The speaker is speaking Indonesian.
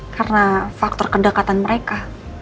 karena faktor kedekatan mereka